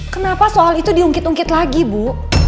kenapa soal itu diungkit ungkit lagi bu